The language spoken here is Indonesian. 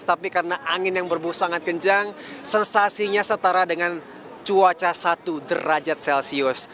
tapi karena angin yang berbus sangat kencang sensasinya setara dengan cuaca satu derajat celcius